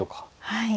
はい。